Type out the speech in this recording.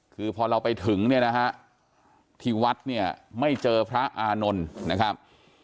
คือพอเราไปถึงเนี่ยนะฮะที่วัดเนี่ยไม่เจอพระอานนท์นะครับ